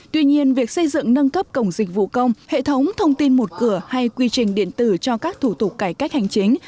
tuy nhiên việc xây dựng nâng cấp cổng dịch vụ công hệ thống thông tin một cửa hay quy trình điện tử cho các thủ tục cải cách hành chính